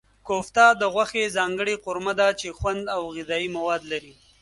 کوفته د غوښې ځانګړې قورمه ده چې خوند او غذايي مواد لري.